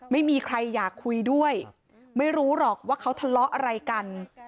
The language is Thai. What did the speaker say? ไม่มีใครอยากคุยด้วยไม่รู้หรอกว่าเขาทะเลาะอะไรกัน